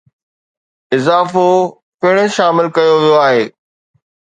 اضافو پڻ شامل ڪيو ويو آهي